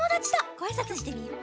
ごあいさつしてみよう！